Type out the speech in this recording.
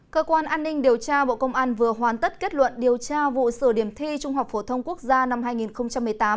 cơ quan an ninh điều tra bộ công an vừa hoàn tất kết luận điều tra vụ sửa điểm thi trung học phổ thông quốc gia năm hai nghìn một mươi tám